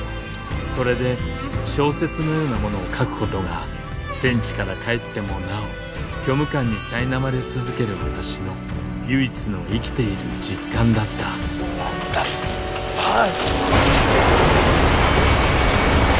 それで小説のようなものを書くことが戦地から帰ってもなお虚無感にさいなまれ続ける私の唯一の生きている実感だったあっ！